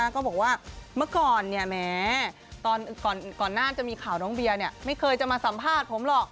ก็บอกว่าเมื่อก่อนแม้ตอนก่อนหน้าจะมีข่าวน้องเบียร์ไม่เคยจะมาสัมภาษณ์ผมหรอก